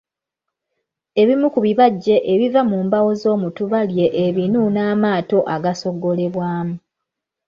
Ebimu ku bibajje ebiva mu mbaawo z'omutuba lye ebinu n'amaato agasogolebwamu.